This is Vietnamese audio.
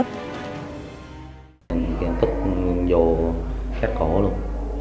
tâm đi đến sau lưng bà thanh bà thanh chạy về nhà sau đó chạy về nhà sau đó chạy về nhà sau đó chạy về nhà